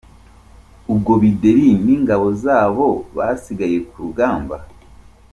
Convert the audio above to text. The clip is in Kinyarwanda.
Ubwo Bideri n’ingabo zabobasigaye ku rugamba.